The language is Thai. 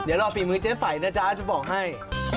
เดี๋ยวรอฝีมือเจ๊ไฝ่นะจ๊ะจะบอกให้